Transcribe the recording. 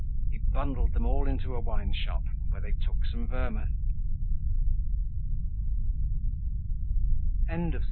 He bundled them all into a wineshop where they took some vermouth.